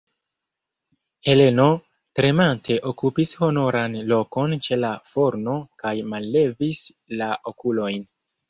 Heleno tremante okupis honoran lokon ĉe la forno kaj mallevis la okulojn.